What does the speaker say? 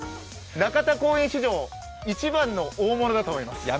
仲田公園史上一番の大物だと思います。